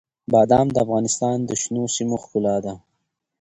بادام د افغانستان د شنو سیمو ښکلا ده.